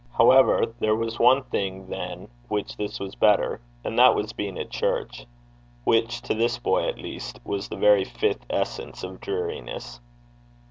However, there was one thing than which this was better, and that was being at church, which, to this boy at least, was the very fifth essence of dreariness.